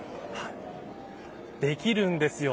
できるんですよ。